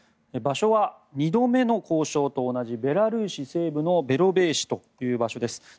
場所は２度目の交渉と同じベラルーシ西部のベロベーシという場所です。